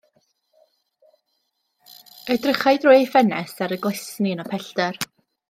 Edrychai drwy ei ffenest ar y glesni yn y pellter.